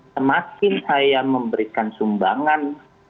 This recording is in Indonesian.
semakin saya memberikan sumbangan